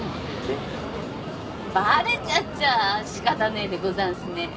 バレちゃっちゃあ仕方ねえでござんすね。